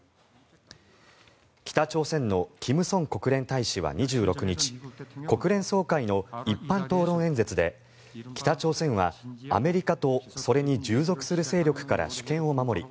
北朝鮮のキム・ソン国連大使は２６日国連総会の一般討論演説で北朝鮮はアメリカとそれに従属する勢力から主権を守り